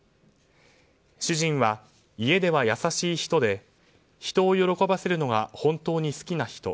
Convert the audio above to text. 主人は家では優しい人で人を喜ばせるのが本当に好きな人。